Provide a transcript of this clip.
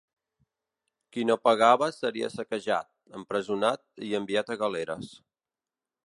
Qui no pagava seria saquejat, empresonat i enviat a galeres.